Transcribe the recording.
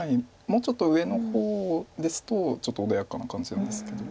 もうちょっと上の方ですとちょっと穏やかな感じなんですけど。